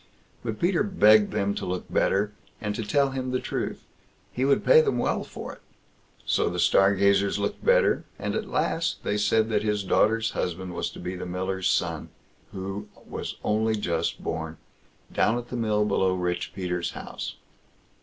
But Peter begged them to look better, and to tell him the truth; he would pay them well for it. So the Stargazers looked better, and at last they said that his daughter's husband was to be the miller's son, who was only just born, down at the mill below Rich Peter's house.